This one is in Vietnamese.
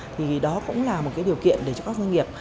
thì đó cũng là một cái điều kiện để cho các doanh nghiệp